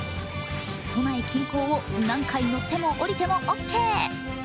都内近郊を何回乗っても降りてもオッケー。